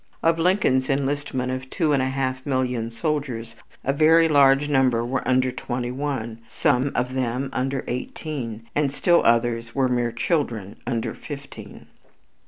Of Lincoln's enlistment of two and a half million soldiers, a very large number were under twenty one, some of them under eighteen, and still others were mere children under fifteen.